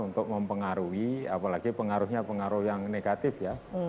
untuk mempengaruhi apalagi pengaruhnya pengaruh yang negatif ya